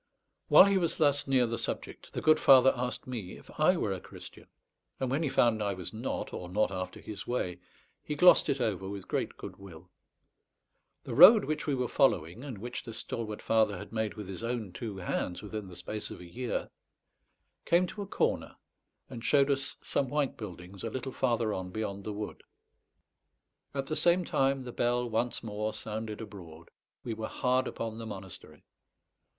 While he was thus near the subject, the good father asked me if I were a Christian; and when he found I was not, or not after his way, he glossed it over with great good will. The road which we were following, and which this stalwart father had made with his own two hands within the space of a year, came to a corner, and showed us some white buildings a little farther on beyond the wood. At the same time, the bell once more sounded abroad. We were hard upon the monastery.